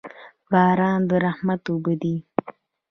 باران د رحمت اوبه دي